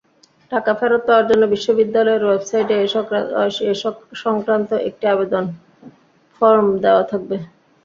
টাকা ফেরত পাওয়ার জন্য বিশ্ববিদ্যালয়ের ওয়েবসাইটে এ-সংক্রান্ত একটি আবেদন ফরম দেওয়া থাকবে।